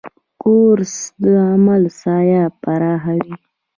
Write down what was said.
کورس د عمل ساحه پراخوي.